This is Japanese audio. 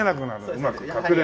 うまく隠れる。